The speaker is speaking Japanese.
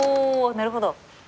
なるほど。